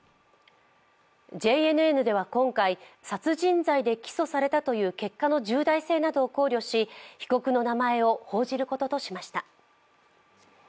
ＪＮＮでは今回、殺人罪で起訴されたという結果の重大性などを考慮し、被告の名前を報じることとしました。